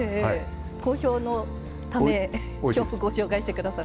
好評のためよくご紹介してくださる。